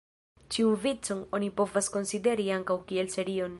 Ĉiun vicon oni povas konsideri ankaŭ kiel serion.